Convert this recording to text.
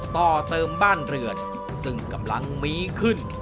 ต่อเติมบ้านเรือนซึ่งกำลังมีขึ้น